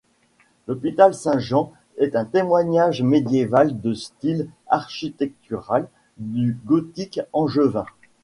L'hôpital Saint-Jean est un témoignage médiéval du style architectural du gothique angevin.